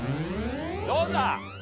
どうだ？